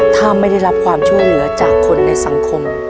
ถ้าไม่ได้รับความช่วยเหลือจากคนในสังคม